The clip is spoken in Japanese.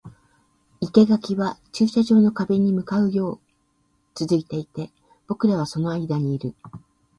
生垣は駐車場の壁に向かい合うように続いていて、僕らはその間にいる